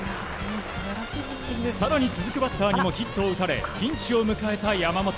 更に続くバッターにもヒットを打たれピンチを迎えた山本。